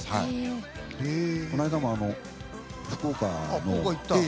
この間も、福岡の。